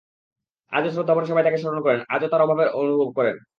আজও শ্রদ্ধাভরে সবাই তাঁকে স্মরণ করেন, আজও তাঁর অভাব অনুভব করেন।